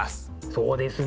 そうですね。